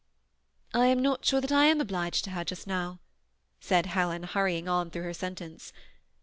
" I am not sure that I am obliged to her just now," said Helen, hurrying on through her sentence.